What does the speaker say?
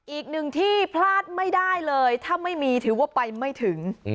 อีกหนึ่งที่พลาดไม่ได้เลยถ้าไม่มีถือว่าไปไม่ถึง